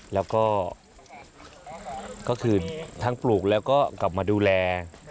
แล้วก็ก็คือทั้งปลูกแล้วก็กลับมาดูแล